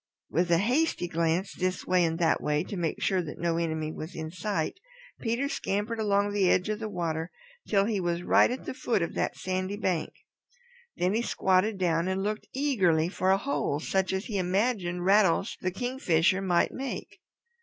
With a hasty glance this way and that way to make sure that no enemy was in sight, Peter scampered along the edge of the water till he was right at the foot of that sandy bank. Then he squatted down and looked eagerly for a hole such as he imagined Rattles the Kingfisher might make.